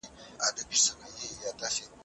حقیقت د پلټني په پایله کې لاسته راځي.